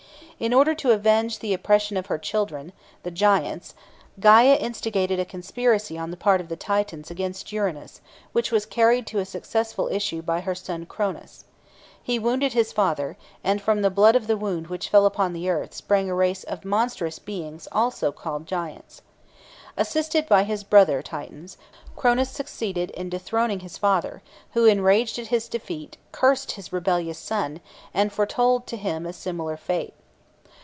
In order to avenge the oppression of her children, the Giants, Gæa instigated a conspiracy on the part of the Titans against Uranus, which was carried to a successful issue by her son Cronus. He wounded his father, and from the blood of the wound which fell upon the earth sprang a race of monstrous beings also called Giants. Assisted by his brother Titans, Cronus succeeded in dethroning his father, who, enraged at his defeat, cursed his rebellious son, and foretold to him a similar fate.